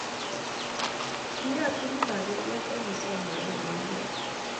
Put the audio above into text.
Kiyat Kimutai kurget akisom mayai kounoto